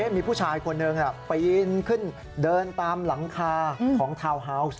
มีผู้ชายคนหนึ่งปีนขึ้นเดินตามหลังคาของทาวน์ฮาวส์